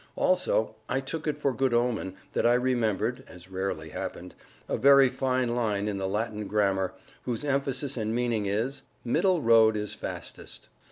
Also I took it for good omen that I remembered (as rarely happened) a very fine line in the Latin grammar, whose emphasis and meaning is, "Middle road is fastest."